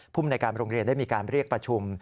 ภูมิในการโรงเรียนได้มีการเรียกประชุม